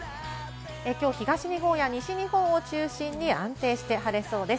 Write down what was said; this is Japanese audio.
今日、東日本、西日本を中心に安定して晴れそうです。